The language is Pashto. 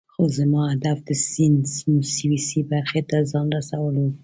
خو زما هدف د سیند سویسی برخې ته ځان رسول وو.